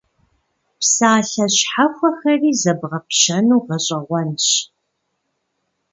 Псалъэ щхьэхуэхэри зэбгъэпщэну гъэщӀэгъуэнщ.